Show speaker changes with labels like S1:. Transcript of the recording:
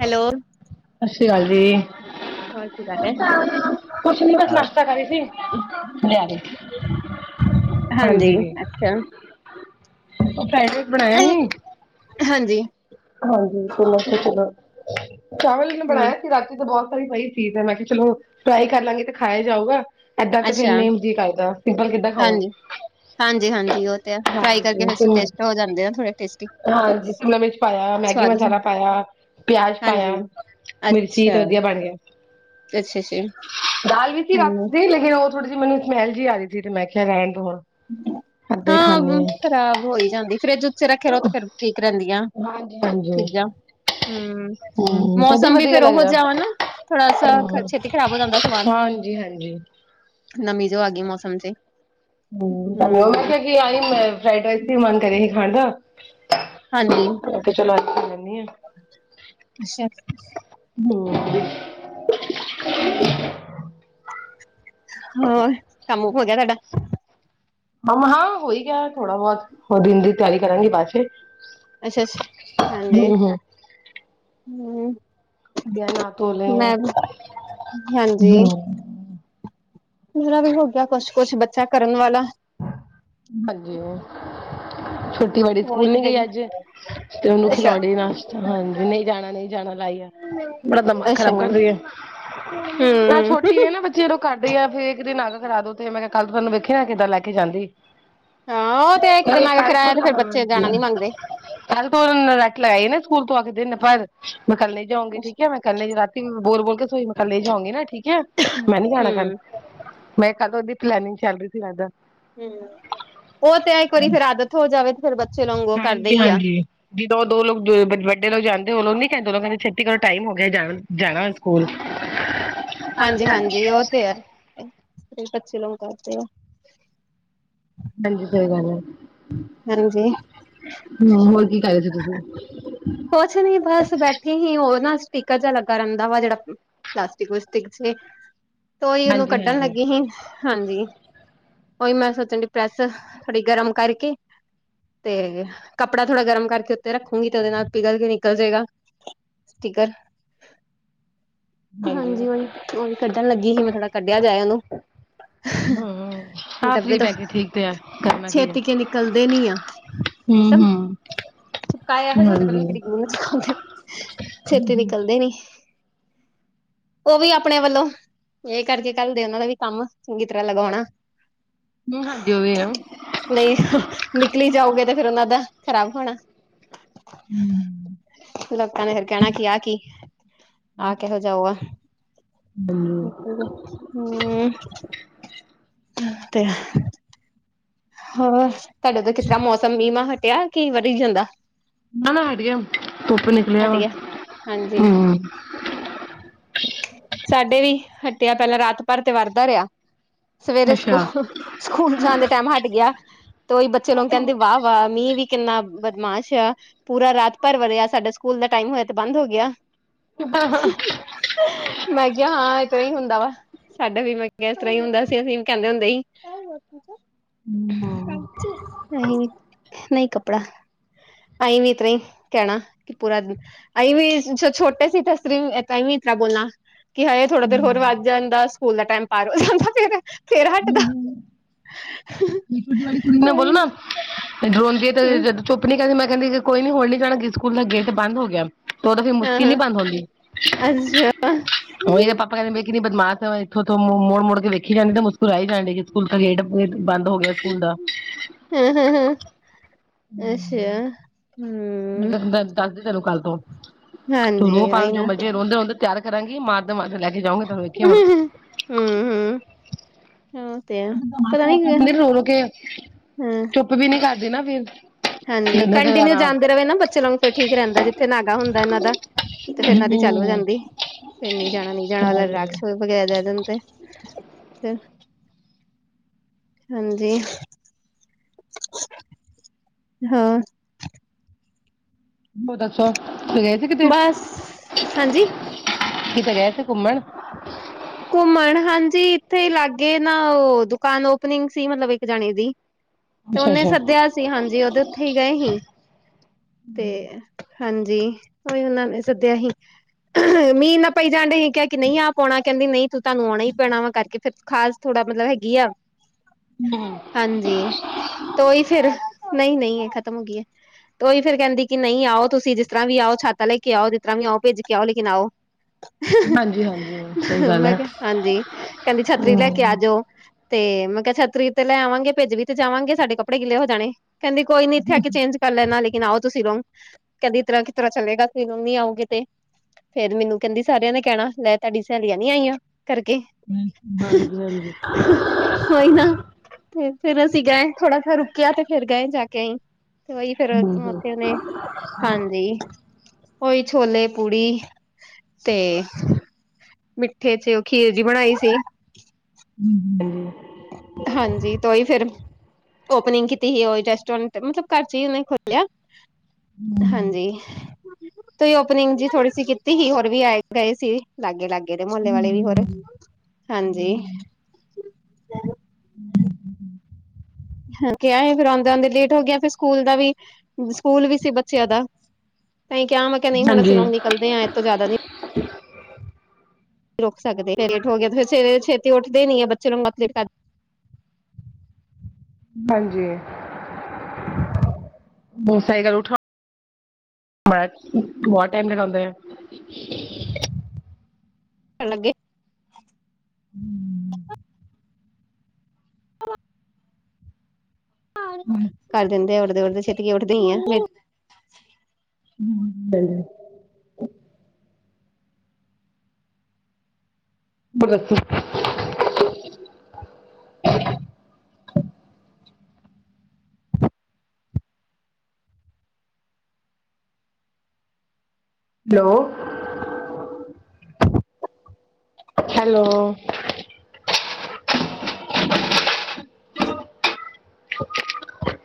S1: Hello,
S2: ਸਤਿ ਸ਼੍ਰੀ ਅਕਾਲ
S1: ਹੋਰ ਕੀ ਕਰ ਰਹੇ
S2: ਜੀ। ਕੁਛ ਨੀ ਬਸ ਨਾਸ਼ਤਾ ਕਰੀ ਸੀ। ਲਿਆ ਦੇ।
S1: ਹਾਂਜੀ। ਅੱਛਾ।
S2: ਭੈਣ ਨੂੰ ਪੜਿਆ ਈ।
S1: ਹਾਂਜੀ।
S2: ਹਾਂਜੀ। ਚੱਲੋ-ਚੋਲੋ ਚਾਵਲ ਕਿਨ
S1: ਹੂੰ
S2: ਬਣਾਇਆ? ਰਾਤੀ ਤੇ ਬਹੁਤ ਸਾਰੀ ਸਹੀ ਚੀਜ਼ ਹੈ। ਮੈਂ ਕਿਹਾ' ਚਲੋ ਫਰਾਈ ਕਰ ਲਾਂਗੇ ਤੇ ਖਾਇਆ ਹੀ ਜਾਊਗਾ। ਏਦਾਂ ਤੇ ਫੇਰ
S1: ਅੱਛਾ
S2: ਨੇ ਜੀ ਸਿੰਪਲ ਕਿੱਦਾਂ ਖਾਓਗੇ।
S1: ਹਾਂਜੀ-ਹਾਂਜੀ ਉਹ ਤੇ ਆ ਫਰਾਈ ਕਰਕੇ
S2: ਤੇ
S1: ਫ ਟਸਟ ਹੋ ਜਾਂਦੇ ਥੋੜੇ ਟਸਟੀ।
S2: ਹਾਂਜੀ ਸ਼ਿਮਲਾ ਮਿਰਚ ਪਾਇਆ ਮੈਗੀ ਮਸਾਲਾ ਪਾਇਆ, ਪਿਆਜ
S1: ਹਾਂਜੀ
S2: ਪਾਇਆ, ਮਿਰਚੀ ਤੇ
S1: ਅੱਛਾ
S2: ਵਧੀਆ ਬਣ ਗਿਆ।
S1: ਅੱਛਾ ਅੱਛਾ
S2: ਦਾਲ ਵੀ ਸੀ
S1: ਹਾਂਜੀ
S2: ਰੱਖਦੀ ਲੇਕਿਨ ਉਹ ਥੋੜੀ ਜਿਹੀੈਨੂੰ ਸਮੈਲ ਜਹੀ ਆ ਸੀ। ਤੇ' ਮੈਂ ਕਿਹਾ ਰਹਿਣ ਤੋਂ ਹੁਣ ਏਦਾਂ ਹੀ
S1: ਹਾਂ,
S2: ਖਾਂਦੀ
S1: ਹੂੰ ਖ਼ਰਾਬ ਹੋਈ ਜਾਂਦੀ ਫਰਿਜ ਰੱਖੇ ਰੋ ਤੇ ਫੇਰ ਠੀਕ ਰਹਿੰਦੀਆਂ
S2: ਆ ਹਾਂਜੀ ਹਾਂਜੀ
S1: ਚੀਜ਼ਾਂ ਹੂੰ,
S2: ਹੂੰ, ਏਦਾਂ ਹੀ
S1: ਮੌਸਮ ਵੀ
S2: ਵਧੀਆ
S1: ਫੇਰ ਉਹੋ ਜਿਆ ਵ ਨਾ ਥੋੜਾ ਸ ਛੇਤੀ ਖ਼ਰਾਬ ਹੋ ਜਾਂਦਾ ਸਮਾਨ
S2: ਹਾਂਜੀ, ਹਾਂਜੀ।
S1: ਨਮੀ ਜੋ ਆ ਗਈ ਮੌਸਮ ਚ।
S2: ਹੂੰ, ਮੈ ਕਿ ਆਈ ਮੈਂ ਫਰਾਡ ਰਾਈਸ ਵੀ ਮਨ ਕਰੇਆ ਹੀ ਖਾਣ ਦਾ।
S1: ਹਾਂਜੀ।
S2: ਤੇ ਚਲੋ [unintelligible] ਜਾਂਦੀ ਆਂ।
S1: ਅੱਛਾ।
S2: ਹੂੰ।
S1: [inaudible] ਹੋਰ, ਕੰਮ ਹੋ ਗਿਆ ਤੁਆਡਾ?
S2: ਹ ਹਾਂ ਹੋ ਈ ਗਿਆ ਥੋੜਾ ਬੌਤ, ਉਹ ਦਿਨ ਦੀ ਤਿਆਰੀ ਕਰਾਂਗੀ ਬਾਚੇ।
S1: ਅੱਛ-ਅੱਛ, ਹਾਂਜੀ, ਹੂੰ।
S2: ਗਿਆ ਨਾ ਧੋ ਲਿਆ।
S1: ਮੈਂ ਹਾਂਜੀ।
S2: ਹੂੰ।
S1: ਪੁਰਾ ਵੀ ਹੋ ਗਿਆ ਕੁਛ-ਕੁਛ ਬੱਚਾ ਕਰਨ ਵਾਲਾ।
S2: ਹਾਂਜੀ, ਛੁਟੀ ਬੜੀ
S1: ਉਹ
S2: ਸਕੂਲ
S1: ਇੱਕ
S2: ਨੀ ਗਈ
S1: ਦਿਨ
S2: ਅੱਜ। ਤੇ ਉਹਨੂੰ
S1: ਅੱਛਾ
S2: ਖਿਲੋ ਦੀ ਨਾਸਤਾ, ਹਾਂਜੀ, ਨਈ ਜਾਣਾ ਨਈ। ਜਾਣਾ ਲਾਈ ਆ, ਬੜਾ ਦਿਮਾਗ
S1: ਅੱਛਾ
S2: ਖ਼ਰਾਬ ਕਰ
S1: ਹੂੰ
S2: ਰਈ ਐ, ਐ ਛੋਟੀ ਏ ਨਾ ਬੱਚੇ ਰ ਕਰਦੀ ਆ ਫੇਰ ਇੱਕ ਦਿਨ ਅੱਗ ਖਲਾ ਦੋ ਤੇ ਮੈਂ ਕਿਆ ਕੱਲ ਤੁਆਨੂੰ ਵੇਖੀ ਨਾ ਕਿੱਦਾਂ ਲੈ ਕੇ ਜਾਂਦੀ।
S1: ਹਾਂ ਉਹ ਤੇ ਇੱਕ ਦਿਨ ਆ
S2: [unintelligible]
S1: ਕੇ
S2: ਕੱਲ
S1: ਕਰਾਇਆ ਤੇ ਫੇਰ ਬੱਚੇ ਜਾਣਾ ਨੀ ਮੰਗਦੇ
S2: ਤ ਉਹ ਨਾਲ ਰੱਟ ਲਾਈ ਈ ਨਾ ਸਕੂਲ ਤੋਂ ਆ ਕੇ ਦਿਨ ਪਰ ਮੈਂ ਕੱਲ ਜਾਉਂਗੀ ਠੀਕ ਐ, ਮੈਂ ਕੱਲ ਨਈ ਰਾਤੀ ਵੀ ਬੋਲ-ਬੋਲ ਕੇ ਸੋਈ ਮੈਂ ਕੱਲ ਨੀ ਜਾਊਂਗੀ ਨਾ, ਠੀਕ ਐ, ਮੈਂ ਨੀ ਜਾਣਾ ਕੱਲ।
S1: ਹੂੰ
S2: ਮੈਂ ਕਦੋੱਦੀ ਪਲੈਨਿੰਗ ਚੱਲ ਰਈ ਸੀ [unintelligible]
S1: ਹੂੰ, ਉਹ ਤੇ ਐ ਇੱਕ ਵਾਰੀ ਫੇਰ ਆਦਤ ਹੋ ਜਾਵੇ ਤੇ ਫੇਰ ਬ
S2: ਹਾਂਜੀ-ਹਾਂਜੀ। ਜਦੋਂ ਦੋ ਲੋਕ ਵੱਡੇ ਲੋਕ ਜਾਂਦੇ ਉ ਨੀ ਕਹਿੰਦੇੋਂ ਕਹਿੰਦੇ ਛੇਤੀ ਕਰੋ ਟਾਈਮ ਹੋ ਗਿਆ ਜਾਣਾ ਸਕੂਲ
S1: ਹਾਂਜੀ-ਹਾਂਜੀ, ਉਹ ਤੇ ਐ, ਕੱਚੇ ਲੋਕ ਕਰਦੇ ਆ।
S2: ਹਾਂਜੀ, ਸਹੀ ਗੱਲ ਹੈ।
S1: ਹਾਂਜੀ
S2: ਹਾਂ, ਹੋਰ ਕੀ ਕਰ ਰਹੇ ਸੀ, ਤੁਸੀਂ?
S1: ਕੋਛ ਨੀ ਬਸ ਬੈਠੇ ਹੀ ਉਹ ਨਾ ਸਪੀਕਰ ਜ ਲੱਗਾ ਰਹਿੰਦਾ ਵਾ ਜੇੜਾ ਪਲਾਸਟਿਕਸਟਿਕ ਵਾਸਤੇ [unintelligible] ਤੋ ਈ ਉਹਨੂੰ
S2: ਹਾਂਜੀ
S1: ਕੱਢਣ
S2: ਹਾਂਜੀ।
S1: ਲੱਗੀ ਸੀ। ਹਾਂਜੀ, ਉਹੀ ਮੈਂ ਸੋਚਣ ਡ ਪ੍ਰੈੱਸ ਥੋੜੀ ਗਰਮ ਕਰਕੇ ਤੇ ਕੱਪੜਾ ਥੋੜਾ ਗਰਮ ਕਰਕੇ ਉੱਤੇ ਰੱਖੂਗੀ ਤੇ ਉਹਦੇ ਨਾਲ ਪਿਘਲ ਕੇ ਨਿਕਲ ਜੇਗਾ। ਸਟੀਕਰ। ਹਾਂਜੀ, ਓਹੀ, ਉਹੀ ਕੱਢਣ ਲੱਗੀ ਹੀ, ਮੈਂ ਥੋੜਾ ਕੱਢਿਆ ਜਾਏ ਉਹਨੂੰ।
S2: ਹੂੰ, [unintelligible] ਪੈਕੇ ਠੀਕ ਤੇ ਆ, ਕਰਨਾ ਕੀ। ਹੈ।
S1: ਪੇਤੀ ਕੇ ਨਿਕਲਦੇ ਨੀ ਆ
S2: ਹੂੰ
S1: ਇਹ ਸਬ
S2: ਹੂੰ ਹਾਂਜੀ।
S1: [unintelligible] ਛੇਤੀ ਨਿਕਲਦੇ ਨੀ। ਉਹ ਵੀ ਅਪਣੇ ਵੱਲੋਂ ਇਹ ਕਰਕੇ ਕੱਲਦੇ ਉਹਨਾਂ ਦਾ ਵੀ ਕੰਮ ਚੰਗੀ ਤਰਾ ਲਗਾਓਣਾ।
S2: ਹੂੰ, ਹਾਂ ਜੋ ਵੀ ਆ।
S1: ਨਈ ਨਿਕਲੀ ਜਾਓਗੇ ਤੇ ਫੇਰ ਉਹਨਾਂ ਦਾ ਖ਼ਰਾਬ ਹੋਣਾ। ਲੋਕਾ ਨੇ ਫਿਰ ਕੈਣਾ ਕੀ ਆ ਕੀ, ਆ ਕੇਹੋ ਜਾਊਗਾ।
S2: ਨਾ
S1: ਹੂੰ, ਤੇ ਹੋਰ, ਤੁਆਡੇ ਤਾਂ ਕਿਸ ਤਰਾ ਮੌਸਮ ਮੀਂ ਮਾਂ ਹਟਿਆ ਕਿ ਵਧੀ ਜਾਂਦਾ।
S2: ਆ ਨਾ ਹਟ ਗਿਆ, ਧੁੱਪ ਨਿਕਲਿਆ
S1: ਹਟ
S2: ਵਾ,
S1: ਗਿਆ ਹਾਂਜੀ
S2: ਹੂੰ।
S1: ਸਾਡੇ ਵੀ ਹਟਿਆ ਪੈਲਾਂ ਰਾਤ ਭਰ ਤੇ ਵਰਦਾ ਰਿਆ। ਸਵੇਰੇ
S2: ਅੱਛਾ
S1: ਸਕੂਲ, ਸਕੂਲ ਜਾਣ ਦੇ ਟਾਈਮ ਹਟ ਗਿਆ। ਤੇ ਉਹੀ ਬੱਚੇ ਨੂੰ ਕਹਿੰਦੇ, ਵਾਹ- ਵਾਹ, ਮੀਂਹ ਵੀ ਕਿੰਨਾ ਬਦਮਾਸ਼ ਆ। ਪੂਰਾ ਰਾਤ ਭਰ ਵਰਿਆ। ਸਾਡੇ ਸਕੂਲ ਦਾ ਟਾਈਮ ਹੋਇਆ। ਤੇ ਬੰਦ ਹੋ ਗਿਆ।
S2: ਹਾਂ ਹਾਂ।
S1: ਮੈ ਕਿਗ ਹਾਂ, ਇਸ ਤਰਾਂ ਹੀ ਹੁੰਦਾ ਵਾ। ਸਾਡਾ ਵੀ ਮੈ ਕਿਆ ਇਸ ਤਰਾ ਈ ਹੁੰਦਾ ਸੀ ਅਸੀਂ ਵੀ ਕੈਂਦੇ ਹੁੰਦੇ ਹੀ ਸਾਚ, ਨਹੀ, ਨਈ ਕੱਪੜਾ। ਅਸੀਂ ਵੀ, ਇਸ ਤਰਾਂ ਹੀ, ਕਹਿਣਾ ਕਿ ਪੂਰਾ ਦਿ- ਆਈ ਵੀ ਛੋਟੇ ਸੀ, ਤਾਂ ਸਤਰੀ ਣਿਤਰਾ ਬੋਲਣਾ। ਕਿ ਹਾਏ, ਥੋੜਾ ਦੇਰ ਹੋਰ, ਵੱਧ ਜਾਂਦਾ। ਸਕੂਲ ਦਾ ਟਾਈਮ ਪਾਰ ਹੋ ਜਾਂਦਾ। ਫੇਰ ਹਟਦਾ।
S2: ਤੁਰਕੀ ਬੋਲੋ ਨਾ ਡਰੋਨ ਜ ਤੇ
S1: ਹਮ
S2: ਜ [unintelligible] ਚੁੱਪੀ ਕਹਿੰਦੀ ਮੈਂ ਕਿੰਦੀ ਕੋਈ ਨੀ, ਹੂਣ ਨੀ ਜਾਣਾ। ਸਕੂਲ ਦਾ ਗੇਟ ਬੰਦ ਹੋ ਗਿਆ। ਉਦੋ ਫੇਰ,
S1: ਹਾਂ
S2: ਮੁਸਕੀਲ ਹੀ
S1: ਹਾਂ
S2: ਬੰਦ ਹੁੰਦੀ।
S1: ਅੱਛਾ
S2: ਉਹ, ਇਹਦੇ ਪਾਪਾ ਕਹਿੰਦੇੇ, ਕਿਨੀ ਬਦਮਾਸ਼ ਹੈ। ਇੱਥੇ- ਉੱਥੋਂ, ਮੁੜ- ਮੁੜ ਕੇ ਵੇਖੀ ਜਾਂਦੀ। ਕਰਵਾਈ ਜਾਣ ਡਣੀ ਏ। ਸਕੂਲ ਤਾਂ ਗੇਟ ਬੰਦ ਹੋ ਗਿਆ। ਸਕੂਲ ਦਾ।
S1: ਹਾਂ- ਹਾਂ, ਹਾਂ ਅੱਛਾ, ਹੂੰ।
S2: ਦੱਸਦੀ ਤੈਨੂੰ ਕੱਲ ਤੋਂ। ਤੂੰ
S1: ਹਾਂਜੀ
S2: ਰੋਹ, ਪਾ
S1: ਆਈ
S2: ਜੋ
S1: ਨਾ
S2: ਮਰਜ਼ੀ ਰੋਂਦੇ- ਰੋਂਦੇ। ਹੁਣ ਰੰਗੀ ਮਾਰਦੇ-ਮਾਰਦੇ ਲੈ ਕੇ ਜਾਉਂਗੀ। ਤੇਨੂੰ ਵੇਖੀ ਹੁਣ।
S1: ਹੂੰ-ਹੂੰ, ਹਾਂ।
S2: ਰੋ- ਰੋ, ਕੇ ਚੁੱਪ ਵੀ ਨੀ, ਕਰਦੀ ਨਾ ਫੇਰ।
S1: ਹਾਂਜੀ। ਕੰਟੀਨਿਊ ਜਾਂਦੇ ਰਵੇ ਨਾ, ਬੱਚਿਆਂ ਨੂੰ ਫੇਰ ਠੀਕ ਰਹਿੰਦਾ। ਜਿੱਥੇ ਨਾਗਾ ਹੁੰਦਾ ਇਹਨਾਂ ਦਾ। ਤੇ ਫੇਰ ਉਹਨਾਂ ਦੀ, ਚਾਲੂ ਹੋ
S2: ਹੂੰ
S1: ਜਾਂਦੀ। ਫੇਰ, ਨੀ ਜਾਣਾ- ਨਹੀ‌ ਜਾਣਾ, ਵਾਲਾ ਰਾਗ
S2: ਹੋਰ
S1: ਸ਼ੁਰੂ। ਵਗੈਰਾ ਦੇ, ਜਾਂ ਤੇ ਫੇਰ, ਹਾਂਜੀ। [inaudible] ਹੋਰ?
S2: ਤੁਸੀਂ ਦੱਸੋ? ਸੀ ਕਿਤੇ
S1: ਬਸ, ਹਾਂਜੀ।
S2: ਕਿਤੇ ਗਏ ਸੀ, ਘੁੰਮਣ?
S1: ਘੁੰਮਣ ਹਾਂਜੀ। ਇੱਥੇ ਹੀ ਲਾਗੇ ਨਾ, ਉਹ ਦੁਕਾਨ ਓਪਨਿੰਗ ਸੀ। ਮਤਲਬ ਇੱਕ ਜਣੇ ਦੀ। ਤੇ
S2: ਅੱਛਾ
S1: ਉਹਨੇ
S2: ਅੱਛਾ
S1: ਸੱਦਿਆ ਸੀ। ਹਾਂਜੀ, ਉਹਦੇ ਉੱਥੇ ਹੀ ਗਏ ਸੀ। ਤੇ, ਹਾਂਜੀ। ਉਹੀ ਉਹਨਾਂ ਨੇ, ਸੱਦਿਆ ਹੀ। ਮੀਹ ਇੰਨਾ ਪਈ ਜਾਣ ਡਇਹ। ਕਿਹਾ ਕਿ ਨਹੀਂ ਆ ਪਾਉਣਾ। ਕਹਿੰਦੀ ਨਹੀਂ ਤੂੰ, ਤੁਹਾਨੂੰ ਆਉਣਾ ਹੀ ਪੈਣਾ ਵਾ। ਕਰਕੇ ਫੇਰ, ਖਾਸ ਥੋੜਾ ਮਤਲਬ ਹੈਗੀ ਆ।
S2: ਹੂੰ।
S1: ਹਾਂਜੀ। ਤੇ ਔਹੀ ਫੇਰ, ਨਹੀਂ- ਨਹੀਂ, ਇਹ ਖਤਮ ਹੋ ਗਈ ਹੈ। ਤੇ ਉਹੀ ਫੇਰ, ਕਹਿੰਦੀ ਕਿ ਨਹੀਂ ਆਓ। ਤੁਸੀਂ ਜਿਸ ਤਰਾਂ ਵੀ ਆਓ। ਛਤਤਾ ਲੈ ਕੇ ਆਓ। ਜਿਸ ਤਰਾਂ ਵੀ ਆਓ, ਭੇਜ ਕੇ ਆਓ, ਲੇਕਿਨ ਆਉ। [inaudible]
S2: ਹਾਂਜੀ- ਹਾਂਜੀ। ਸਹੀ ਗੱਲ
S1: ਮੈਂ
S2: ਹੈ
S1: ਕਿਹਾ, ਹਾਂਜੀ। ਕਹਿੰਦੀ ਛੱਤਰੀ ਲੈ ਕੇ ਆ
S2: ਹੂੰ
S1: ਜਾਔ। ਤੇ ਮੈਂ ਕਿਹਾ, ਛਤਰੀ ਤੇ ਲੈ ਆਵਾਂਗੇ। ਭਿੱਜ ਵੀ ਤੇ ਜਾਵਾਂਗੇ। ਸਾਡੇ ਕੱਪੜੇ ਗਿੱਲੇ ਹੋ ਜਾਣੇ। ਕਹਿੰਦੀ, ਕੋਈ ਨੀ ਇਥੇ ਆਕੇ ਚੇਂਜ- ਕਰ ਲੈਣਾ। ਲੇਕਿਨ ਆਓ ਤੁਸੀਂ ਲੋਗ। ਕੇਦੀ ਈਤਰਾਂ ਕਿਸ ਤਰਾਂ ਚਲੇਗਾ। ਤੁਸੀ ਜਿਵੇਂ ਨੀ ਆਓਗੇ ਤੇ। ਫੇਰ ਮੈਨੂੰ ਕਹਿੰਦੀ, ਸਾਰਿਆਂ ਨੇ ਕਹਿਣਾ, ਲੈ ਤੁਹਾਡੀ ਸਹੇਲੀਆਂ ਨੀ ਆਈਆਂ ਕਰਕੇ।
S2: ਹਾਂਜੀ- ਹਾਂਜੀ।
S1: ਉਹੀ ਨਾ ਤੇ ਫੇਰ ਅਸੀਂ ਗਏ। ਥੋੜਾ ਜਿਹਾ ਰੁਕਿਆ, ਤੇ ਫੇਰ ਗਏ, ਜਾ ਕੇ ਆਣੀ। ਹੀ ਫੇਰ,
S2: ਹੂੰ
S1: ਉੱਥੇ ਉਹਨੇ ਹਾਂਜੀ। ਉਹੀ ਛੋਲੇ, ਪੂੜੀ ਤੇ ਮਿੱਠੇ ਚ, ਉਹ ਖੀਰ ਜੀ, ਬਣਾਈ ਸੀ।
S2: ਹੂੰ।
S1: ਹਾਂਜੀ, ਤੇ ਔਹੀ ਫੇਰ। ਓਪਨਿੰਗ ਕੀਤੀ ਸੀ। ਉਹੀ ਤੇ ਜਸਟ ਹੁਣ ਮਤਲਬ, ਘਰ ਚ ਹੀ ਉਹਨੇ ਖੋਲਿਆ। ਹਾਂਜੀ। ਤੁਸੀਂ ਓਪਨਿੰਗ ਜੀ, ਥੋੜੀ ਸੀ ਕੀਤੀ ਸੀ। ਹੋਰ ਵੀ ਆਏ- ਗਏ ਸੀ, ਲਾਗੇ- ਲਾਗੇ। ਏਦੇ ਮੁਹੱਲੇ ਵਾਲੇ ਵੀ ਹੋਰ ਹਾਂਜੀ
S2: ਹਮ [unintelligible]
S1: ਹਾਂ ਕਿਯਾ ਏ। ਫਿਰ ਆਂਦੇ-ਆਂਦੇ ਲੇਟ ਹੋ ਗਿਆ ਫੇਰ ਸਕੂਲ ਦਾ ਵੀ, ਸਕੂਲ ਵੀ ਸੀ ਬੱਚਿਆਂ ਦਾ। ਤਾਂਈ ਕਯਾ, ਮੈਂ ਕਯਾ ਨੀ ਹੁਣ ਅਸੀਂ
S2: ਹਾਂਜੀ
S1: ਲੋਂਗ ਨਿਕਲਦੇ ਆਂ ਇਤੋਂ ਜ਼ਆਦਾ ਨੀਂ ਰੁਕ ਸਕਦੇ ਫੇਰ ਲੇਟ ਹੋ ਗਏ ਤੇ ਫਿਰ ਸਵੇਰੇ ਛੇਤੀ ਉੱਠਦੇ ਨੀਂ ਐ ਬੱਚੇ ਨੂੰ ਆਪ ਲੇਟ ਕਰ
S2: ਹਾਂਜੀ, ਬੋ ਸਈ ਗੱਲ ਉਠਾ [unintelligible] ਬੋਤ ਟਾਈਮ ਲਗਾਂਦਾ ਐ।
S1: ਆ ਲੱਗੇ
S2: [inaudible]
S1: [unintelligible] ਕਰ ਦਿੰਦੇ ਉੱਡਦੇ- ਉੱਡਦੇ, ਛੇਤੀ ਐ ਉੱਠਦੇ ਈ ਐਂ।
S2: [unintelligible] [unintelligible] Hello, hello. [unintelligible]